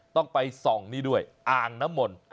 ต้องไปส่องนี่ด้วยอ่างน้ำมนต์